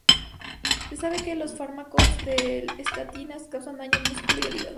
Se sabe que los fármacos de estatinas causan daño al músculo y al hígado.